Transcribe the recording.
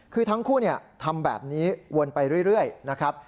คือทั้งคู่ทำแบบนี้วนไปเรื่อยนะครับ